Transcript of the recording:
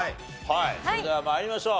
それでは参りましょう。